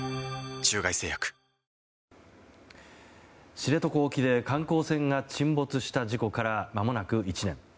知床沖で観光船が沈没した事故からまもなく１年。